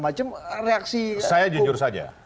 macam reaksi saya jujur saja